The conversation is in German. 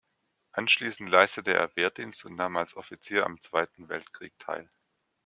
Anschließend leistete er Wehrdienst und nahm als Offizier am Zweiten Weltkrieg teil.